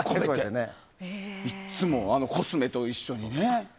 いつもコスメと一緒にね。